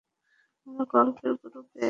আমরা গল্পের গরুকে আসমানে উড়িয়েছি!